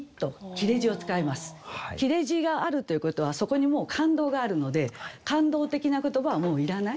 切れ字があるということはそこにもう感動があるので感動的な言葉はもういらない。